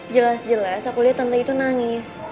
jelas jelas aku lihat tante itu nangis